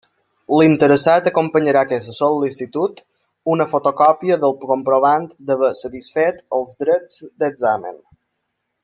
L'interessat acompanyarà a aquesta sol·licitud una fotocòpia del comprovant d'haver satisfet els drets d'examen.